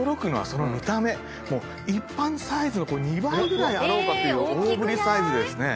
一般サイズの２倍ぐらいあろうかっていう大ぶりサイズですね。